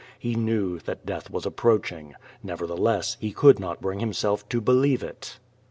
He knew that death was approaching. Nevertheless he could not bring himself to believe it.